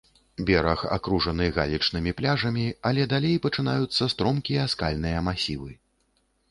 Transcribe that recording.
Бераг акружаны галечнымі пляжамі, але далей пачынаюцца стромкія скальныя масівы.